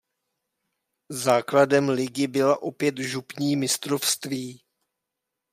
Základem ligy byla opět župní mistrovství.